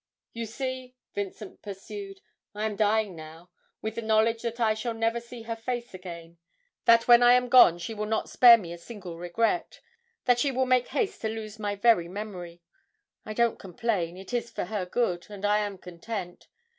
'You see,' Vincent pursued, 'I am dying now, with the knowledge that I shall never see her face again; that when I am gone she will not spare me a single regret, that she will make haste to lose my very memory. I don't complain, it is for her good, and I am content.